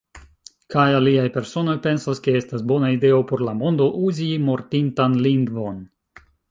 Kaj aliaj personoj pensas ke estas bona ideo por la mondo, uzi mortintan lingvon.